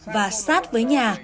và sát với nhà